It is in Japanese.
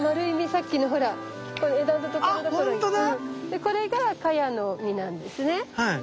でこれがカヤの実なんですね。